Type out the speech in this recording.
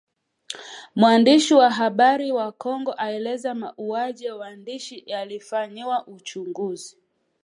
Mwandishi wa habari wa Kongo aeleza mauaji ya waandishi hayajafanyiwa uchunguzi